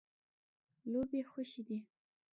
لوبې خوښې دي.